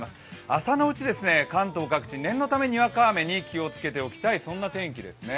朝のうち、関東各地念のためにわか雨に気をつけておきたい天気ですね。